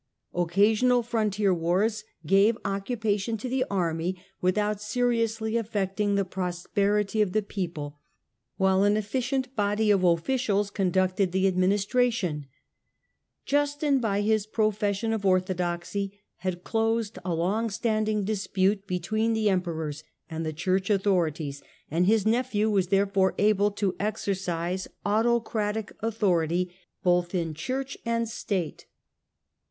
Occasional frontier wars gave occupation to the army, without seriously affecting the prosperity of the people, while an efficient body of officials conducted the administratio Justin, by his profession of orthodoxy, had closed long standing dispute between the Emperors and t Church authorities, and his nephew was therefore able to exercise autocratic authority both in Church anq 54 Ml m. ,: .Tl STIXIAX 55 State.